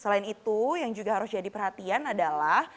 selain itu yang juga harus jadi perhatian adalah